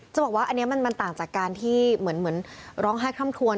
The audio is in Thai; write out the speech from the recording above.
จะบอกว่าอันนี้มันต่างจากการที่เหมือนร้องไห้คล่ำคลวน